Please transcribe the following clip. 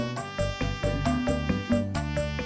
ya perangkat atuh